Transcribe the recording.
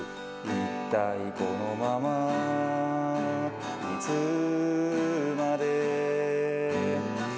一体このままいつまで。